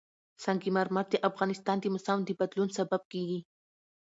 سنگ مرمر د افغانستان د موسم د بدلون سبب کېږي.